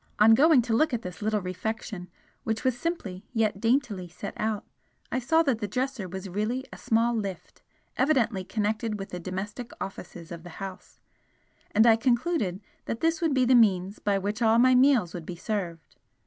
On going to look at this little refection, which was simply yet daintily set out, I saw that the dresser was really a small lift, evidently connected with the domestic offices of the house, and I concluded that this would be the means by which all my meals would be served.